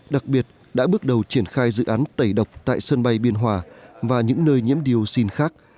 đặc biệt đã bước đầu triển khai dự án tẩy độc tại sân bay biên hòa và những nơi nhiễm dioxin khác